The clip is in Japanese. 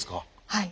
はい。